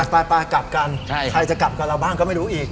ไปกลับกันใครจะกลับกับเราบ้างก็ไม่รู้อีก